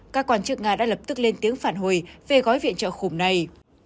các quan chức nga đã lập tức lên tiếng phản hồi về gói viện trợ khủng này